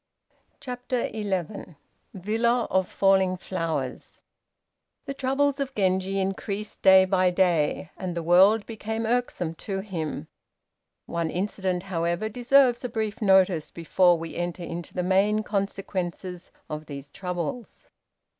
] CHAPTER XI VILLA OF FALLING FLOWERS The troubles of Genji increased day by day, and the world became irksome to him. One incident, however, deserves a brief notice before we enter into the main consequences of these troubles.